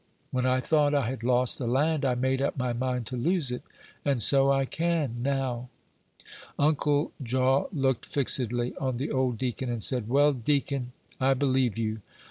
When I thought I had lost the land, I made up my mind to lose it, and so I can now." Uncle Jaw looked fixedly on the old deacon, and said, "Well, deacon, I believe you.